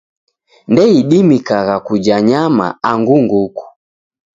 Ndeidimikagha kuja nyama angu nguku.